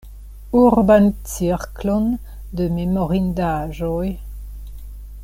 Urban cirklon de memorindaĵoj.